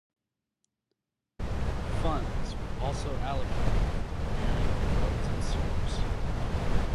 Funds were also allocated for the repairing of roads and sewers.